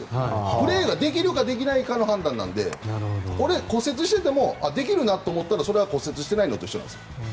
プレーができるかできないかの判断なので骨折しててもできるなと思ったらそれは骨折してないのと一緒なんです。